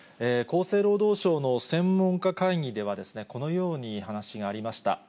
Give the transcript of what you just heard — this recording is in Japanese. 厚生労働省の専門家会議では、このように話がありました。